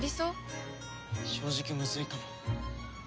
正直むずいかも。